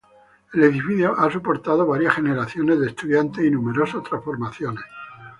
El edificio ha soportado varias generaciones de estudiantes y numerosas transformaciones.